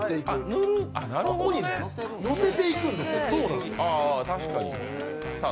ここにのせていくんですよ。